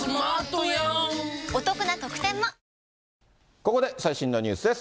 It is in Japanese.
ここで最新のニュースです。